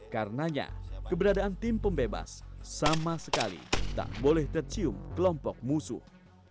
karenanya keberadaan tim pembebas sama sekali tak boleh tercium kelompok musuh